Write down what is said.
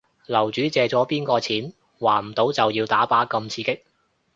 樓主借咗邊個錢？還唔到就要打靶咁刺激